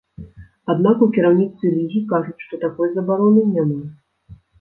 Аднак у кіраўніцтве лігі кажуць, што такой забароны няма.